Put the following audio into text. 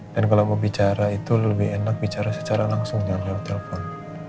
dan kalau mau bicara itu lebih enak bicara secara langsung jangan lewat telpon